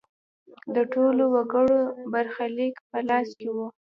د ټولو وګړو برخلیک په لاس کې و.